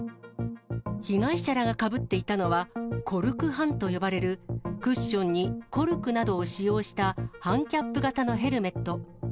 被害者らがかぶっていたのは、コルク半と呼ばれる、クッションにコルクなどを使用した半キャップ型のヘルメット。